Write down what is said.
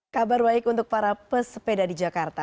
kabar baik untuk para pesepeda di jakarta